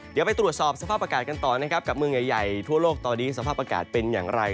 เดี๋ยวไปตรวจสอบสภาพอากาศกันต่อนะครับกับเมืองใหญ่ทั่วโลกตอนนี้สภาพอากาศเป็นอย่างไร